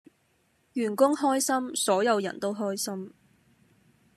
員工開心，所有人都開心